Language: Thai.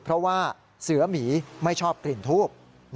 เพราะว่าเสือหมีไม่ชอบกลิ่นทูบ